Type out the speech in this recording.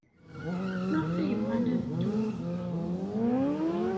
Maɣef ay bɣan ad dduɣ?